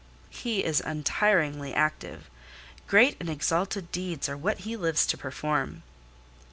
"He is untiringly active. Great and exalted deeds are what he lives to perform."